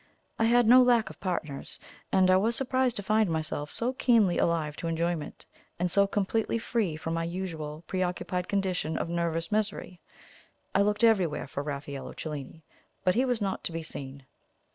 I had no lack of partners, and I was surprised to find myself so keenly alive to enjoyment, and so completely free from my usual preoccupied condition of nervous misery I looked everywhere for Raffaello Cellini, but he was not to be seen.